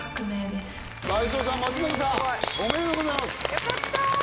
よかったー！